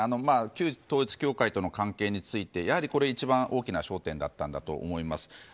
旧統一教会との関係について一番大きな焦点だったんだと思います。